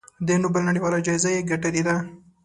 د نوبل نړیواله جایزه یې ګټلې ده.